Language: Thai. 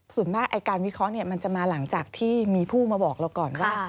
ส่วนมากไอ้การวิเคราะห์มันจะมาหลังจากที่มีผู้มาบอกเราก่อนว่า